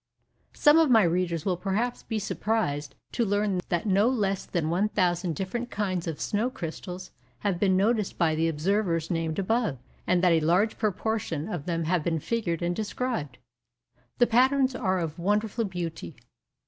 Some of my readers will perhaps be surprised to learn that no less than 1,000 different kinds of snow crystals have been noticed by the observers named above, and that a large proportion of them have been figured and described. The patterns are of wonderful beauty.